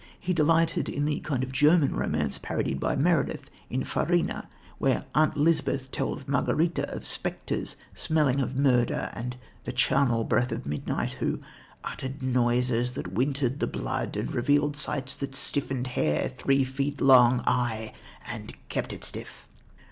He delighted in the kind of German romance parodied by Meredith in Farina, where Aunt Lisbeth tells Margarita of spectres, smelling of murder and the charnel breath of midnight, who "uttered noises that wintered the blood and revealed sights that stiffened hair three feet long; ay, and kept it stiff."